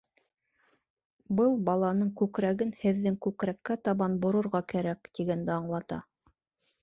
Был, баланың күкрәген һеҙҙең күкрәккә табан борорға кәрәк, тигәнде аңлата.